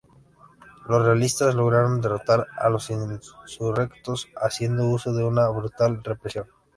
Los realistas lograron derrotar a los insurrectos, haciendo uso de una brutal represión.